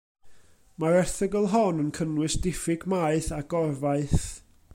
Mae'r erthygl hon yn cynnwys diffyg maeth a gor faeth.